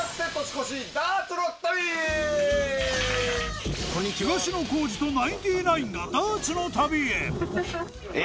東野幸治とナインティナインがダーツの旅へえ！